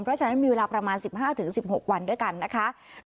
เพราะฉะนั้นมีเวลาประมาณ๑๕๑๖วันด้วยกันนะคะ